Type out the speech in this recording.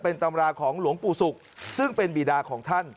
เป็นตำราของหลวงปู่ศุกร์ซึ่งเป็นบีดาของท่าน